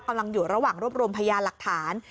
กำลังอยู่ระหว่างรวบรวมพยานหลักฐาน